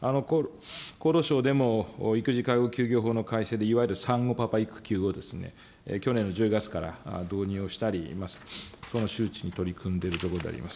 厚労省でも育児介護給与法の改正で、いわゆる産後パパ育休を、去年の１０月から導入をしたり、その周知に取り組んでいるところであります。